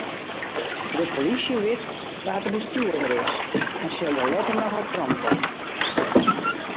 De polysje wit wa't de bestjoerder is en sil dêr letter noch op weromkomme.